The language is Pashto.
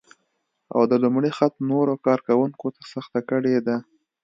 او د لومړي خط نورو کار کونکو ته سخته کړې ده